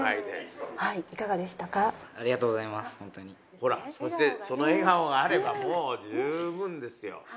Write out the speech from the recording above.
ほらそしてその笑顔があればもう十分ですよ。